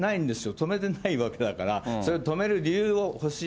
止めてないわけだから、それを止める理由を欲しい。